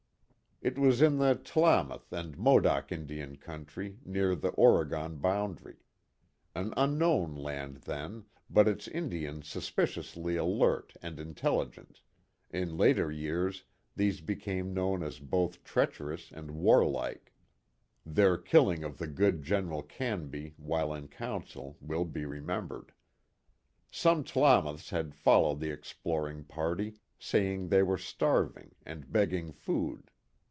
It was in the Tlamath and Modoc Indian country, near the Oregon boundary. An un known land then, but its Indians suspiciously alert and intelligent in later years these became known as both treacherous and warlike ; their killing of the good General Canby while in council will be remembered. Some Tlamaths had followed the exploring party, saying they were starving, and begging food.